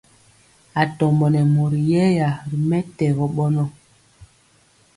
Atombo nɛ mori yɛya ri mɛtɛgɔ bɔnɔ.